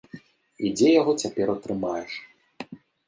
І дзе яго цяпер атрымаеш.